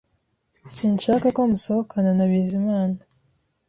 Sinshaka ko musohokana na Bizimana